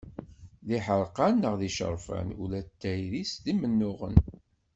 D iḥerqan neɣ d icerfan, ula d tayri-s d imennuɣen.